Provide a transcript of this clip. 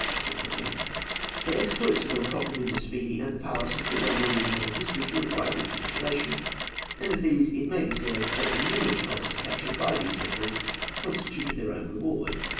] The exploits of Lord Cochrane in the Speedy and Pallas are too well known in naval history to require recapitulation, and of these it may be said that the numerous prizes captured by these vessels constituted their own reward.